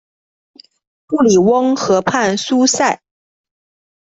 布里翁河畔苏塞。